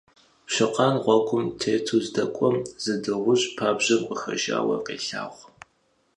Пщыкъан гъуэгум тету здэкӀуэм зы дыгъужьыжь пабжьэм къыхэжауэ къелъагъу.